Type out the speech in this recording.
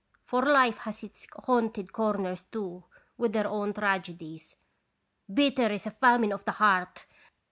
For life has its haunted corners, too, with their own tragedies. Bitter is a famine of the heart